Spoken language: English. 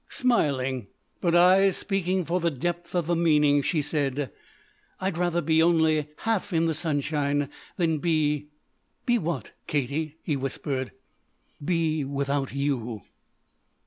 Smiling, but eyes speaking for the depth of the meaning, she said: "I'd rather be only half in the sunshine than be " "Be what, Katie?" he whispered. "Be without you."